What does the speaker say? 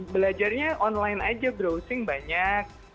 belajarnya online aja browsing banyak